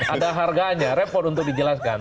ada harganya repot untuk dijelaskan